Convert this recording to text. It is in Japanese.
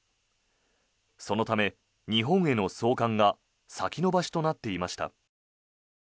そのため、日本への送還が先延ばしとなっていました。